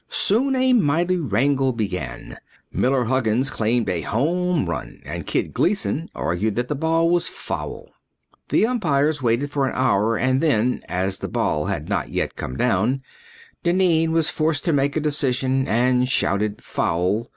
Soon a mighty wrangle began. Miller Huggins claimed a home run and Kid Gleason argued that the ball was foul. The umpires waited for an hour and then, as the ball had not yet come down, Dineen was forced to make a decision and shouted "Foul!"